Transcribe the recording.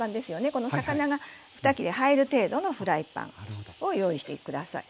この魚が２切れ入る程度のフライパンを用意して下さい。